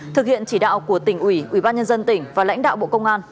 thực hiện chỉ đạo của tỉnh ủy ủy ban nhân dân tỉnh và lãnh đạo bộ công an